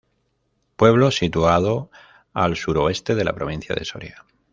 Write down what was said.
Pueblo situado al suroeste de la Provincia de Soria.